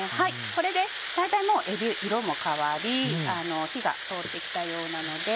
これで大体もうえび色も変わり火が通って来たようなので。